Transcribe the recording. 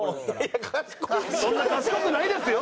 そんな賢くないですよ。